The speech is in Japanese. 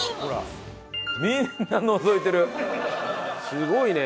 すごいね。